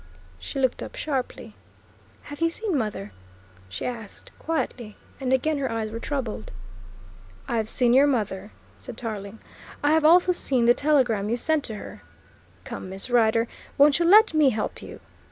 She looked up sharply. "Have you seen mother?" she asked quietly, and again her eyes were troubled. "I've seen your mother," said Tarling. "I have also seen the telegram you sent to her. Come, Miss Rider, won't you let me help you?